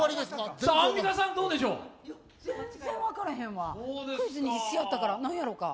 全然分からへんわ、クイズに必死やったから。